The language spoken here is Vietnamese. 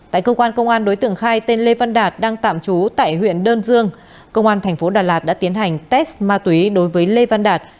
tại cơ quan công an đối tượng khai tên lê văn đạt đang tạm trú tại huyện đơn dương công an thành phố đà lạt đã tiến hành test ma túy đối với lê văn đạt